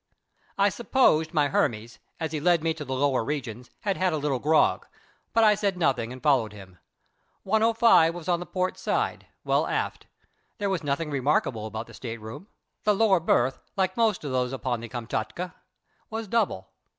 I supposed my Hermes, as he led me to the lower regions, had had a little grog, but I said nothing and followed him. 105 was on the port side, well aft. There was nothing remarkable about the state room. The lower berth, like most of those upon the Kamtschatka, was double.